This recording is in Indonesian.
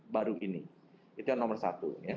baru ini itu yang nomor satu